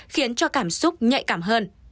khiến cho cảm xúc nhạy cảm hơn